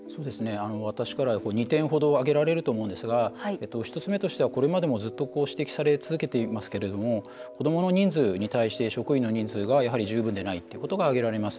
私からは２点ほど挙げられると思うんですが１つ目としては、これまでも指摘され続けていますけど子どもの人数に対して職員に人数がやはり十分でないところが挙げられます。